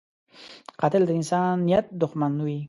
قاتل د انسانیت دښمن وي